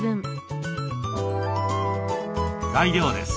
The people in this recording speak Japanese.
材料です。